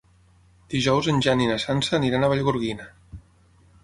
Dijous en Jan i na Sança aniran a Vallgorguina.